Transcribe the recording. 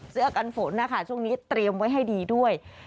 เสื้อกันฝนนะคะช่วงนี้เตรียมไว้ให้ดีด้วย